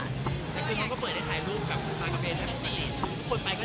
แล้วคือมันก็เปิดในไทยรูปกับปากกะเบนแหละครับ